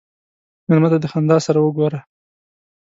مېلمه ته د خندا سره وګوره.